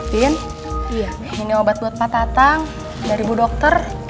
ini obat buat pak tatang dari bu dokter